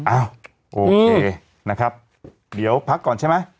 อ้าวโอเคนะครับเดี๋ยวพักก่อนใช่ไหม